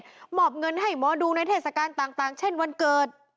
หมอบเงินให้หมอดูในเทศกาลต่างเช่นวันเกิด